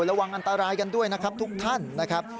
ระวังอันตรายกันด้วยนะครับทุกท่านนะครับ